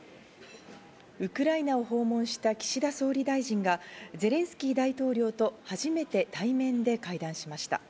ウクライナを訪問した岸田総理大臣が、ゼレンスキー大統領と初めて対面で会談しました。